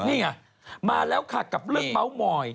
นี่อะมาแล้วขัดกับเรื่องเบาส์หมอย